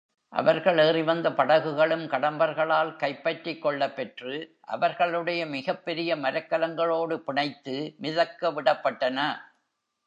அவர்கள் ஏறிவந்த படகுகளும் கடம்பர்களால் கைப்பற்றிக்கொள்ளப்பெற்று, அவர்களுடைய மிகப்பெரிய மரக்கலங்களோடு பிணைத்து மிதக்கவிடப்பட்டன.